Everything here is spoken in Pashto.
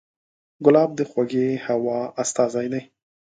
ګلاب د خوږې هوا استازی دی.